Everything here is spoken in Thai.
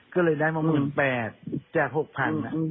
ก็เลยได้มาเมื่อ๘จาก๖๐๐๐อ่ะ